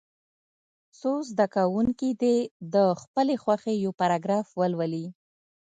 څو زده کوونکي دې د خپلې خوښې یو پاراګراف ولولي.